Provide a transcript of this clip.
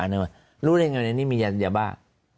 อ๋อเต็มรู้ได้ยังไงว่านี้มียันยาบ้า